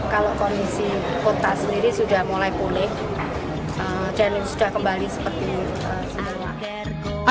kalau kondisi kota sendiri sudah mulai pulih jaring sudah kembali seperti sebelumnya